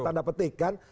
tanda petik kan